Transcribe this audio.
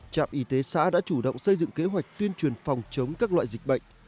trạm y tế xã đã chủ động xây dựng kế hoạch tuyên truyền phòng chống các loại dịch bệnh